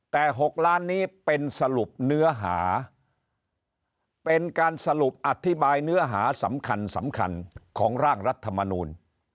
แต่๖ล้านนี้เป็นสรุปเนื้อหาเป็นการสรุปอธิบายเนื้อหาสำคัญสำคัญของร่างรัฐมนูล